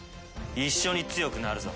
一緒に強くなるぞ。